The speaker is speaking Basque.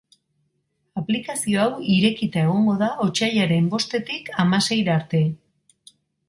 Aplikazio hau irekita egongo da otsailaren bostetik hamaseira arte.